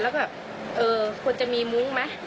แล้วก็แบบเออควรจะมีมุ้งไหม